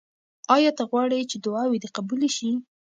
آیا ته غواړې چې دعاوې دې قبولې شي؟